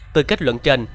từ kết luận